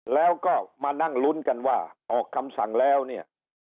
แล้วก็มานั่งลุ้นกันว่าออกคำสั่งแล้วเนี่ย